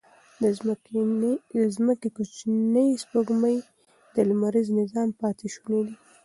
د ځمکې کوچنۍ سپوږمۍ د لمریز نظام پاتې شوني دي.